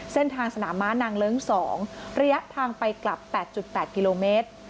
เส้นทางสนามม้านางเลิ้ง๒ระยะทางไปกลับ๘๘กิโลเมตร